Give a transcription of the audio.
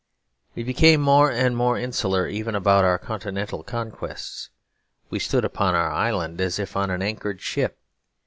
We became more and more insular even about our continental conquests; we stood upon our island as if on an anchored ship.